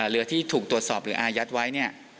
เรือที่ถูกตรวจสอบหรืออายัดไว้เนี่ย